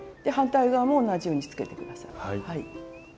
反対側も同じようにつけて下さい。